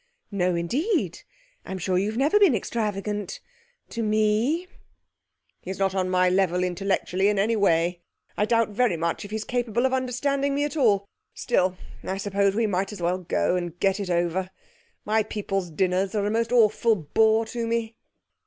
'No, indeed. I'm sure you've never been extravagant to me.' 'He's not on my level intellectually in any way. I doubt very much if he's capable of understanding me at all. Still, I suppose we might as well go and get it over. My people's dinners are a most awful bore to me.'